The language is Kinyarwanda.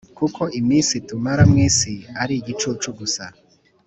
kuko iminsi tumara mu isi ari igicucu gusa